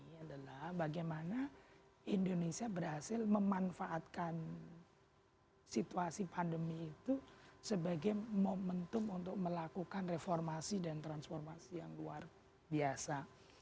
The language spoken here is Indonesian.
ini adalah bagaimana indonesia berhasil memanfaatkan situasi pandemi itu sebagai momentum untuk melakukan reformasi dan transformasi yang luar biasa